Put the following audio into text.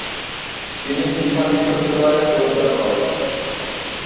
তিনি পিসা বিশ্ববিদ্যালয়ে যোগদান করেন।